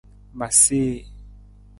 Ma see.